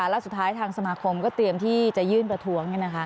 แล้วสุดท้ายทางสมาคมก็เตรียมที่จะยื่นประท้วง